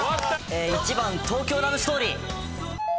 １番東京ラブストーリー。